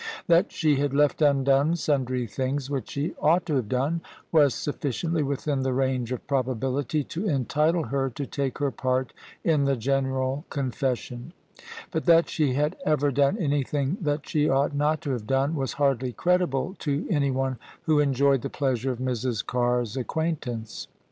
That she had left undone sundry things which she ought to have done, was sufficiently within the range of probability to entitle her to take her part in the General Confession: but that she had ever done anything that she ought not to have done, was hardly credible to anyone who enjoyed the pleasure of Mrs. Carr's acquaintance.